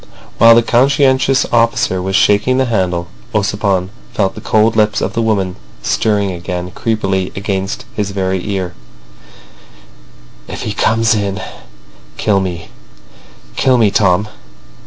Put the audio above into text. While the conscientious officer was shaking the handle, Ossipon felt the cold lips of the woman stirring again creepily against his very ear: "If he comes in kill me—kill me, Tom."